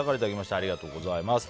ありがとうございます。